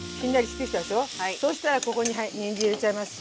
そうしたらここにはいにんじん入れちゃいます。